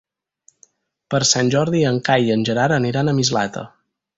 Per Sant Jordi en Cai i en Gerard aniran a Mislata.